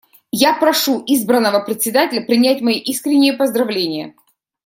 Я прошу избранного Председателя принять мои искренние поздравления.